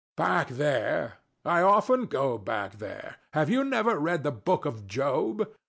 THE DEVIL. Back there! I often go back there. Have you never read the book of Job?